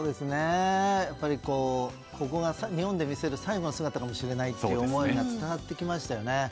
やっぱり、日本で見せる最後の姿化もしれないという思いが伝わってきましたよね。